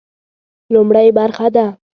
لومړۍ برخه ده.